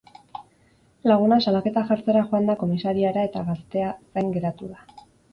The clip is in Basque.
Laguna salaketa jartzera joan da komisariara eta gaztea zain geratu da.